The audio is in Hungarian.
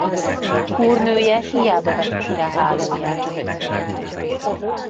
Úrnője hiába veti ki rá hálóját.